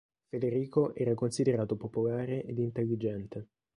Federico era considerato popolare ed intelligente.